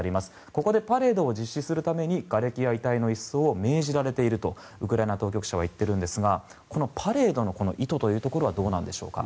ここでパレードを実施するためにがれきや遺体の一掃を命じられているとウクライナ当局者は言っているんですがこのパレードの意図はどういうところなんでしょうか。